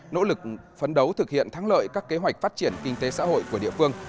nỗ lực phấn đấu thực hiện thắng lợi các kế hoạch phát triển kinh tế xã hội của địa phương